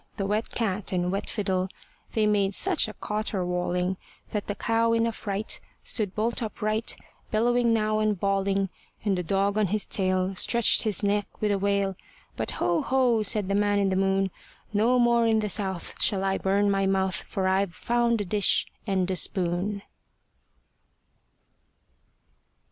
The wet cat and wet fiddle, They made such a caterwauling, That the cow in a fright Stood bolt upright Bellowing now, and bawling; And the dog on his tail, Stretched his neck with a wail. But "Ho! ho!" said the man in the moon "No more in the South Shall I burn my mouth, For I've found a dish and a spoon."